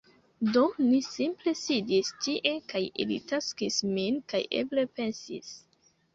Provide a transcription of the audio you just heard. Do ni simple sidis tie kaj ili taksis min, kaj eble pensis: